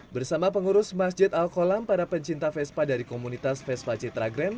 bersama pengurus masjid al kolam para pencinta vespa dari komunitas vespa citra grand